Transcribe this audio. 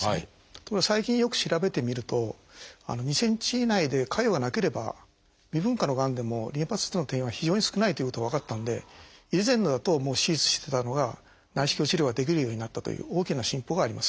ところが最近よく調べてみると２ｃｍ以内で潰瘍がなければ未分化のがんでもリンパ節への転移は非常に少ないということが分かったんで以前だと手術してたのが内視鏡治療ができるようになったという大きな進歩があります。